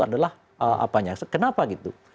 adalah kenapa gitu